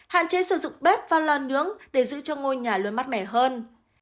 hạn chế sử dụng bếp và lò nướng để giữ cho ngôi nhà luôn mát mẻ hơn